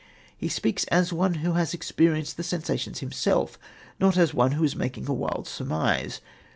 He speaks as one who has experienced the sensations himself, not as one who is making a wild surmise.